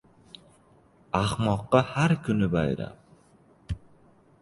• Ahmoqqa har kuni bayram.